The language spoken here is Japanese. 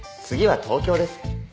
次は東京です。